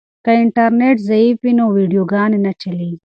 که انټرنیټ ضعیف وي نو ویډیوګانې نه چلیږي.